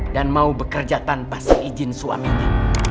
dan mau bekerja tanpa seijin suaminya